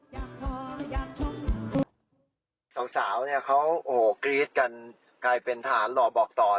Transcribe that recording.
สาวเขากรี๊ดกันกลายเป็นทหารหล่อบอกต่อ